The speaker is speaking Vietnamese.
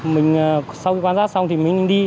mình sau khi quan sát xong thì mình đi